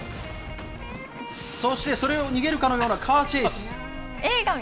そして、それを逃げるかのようなカーチェイス。